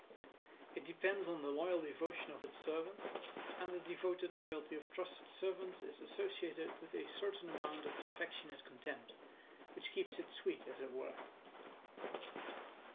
It depends on the loyal devotion of its servants, and the devoted loyalty of trusted servants is associated with a certain amount of affectionate contempt, which keeps it sweet, as it were.